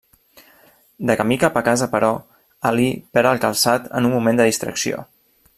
De camí cap a casa, però, Ali perd el calçat en un moment de distracció.